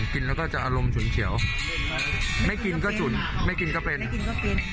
กินแล้วก็จะอารมณ์ฉุนเฉียวไม่กินก็ฉุนไม่กินก็เป็นไม่กินก็เป็น